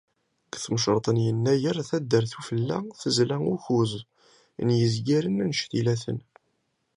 Deg tmecṛeḍt n yennayer, Taddart Ufella tezla ukkuẓ n yizgaren anect-ila-ten.